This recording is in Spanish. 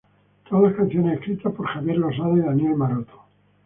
Todas las canciones escritas por Javier Losada y Daniel Maroto.